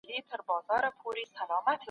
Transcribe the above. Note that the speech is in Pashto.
سياستپوهنه نظري علم نه دی.